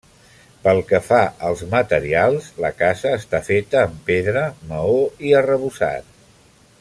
Pel que fa als materials, la casa està feta amb pedra, maó i arrebossat.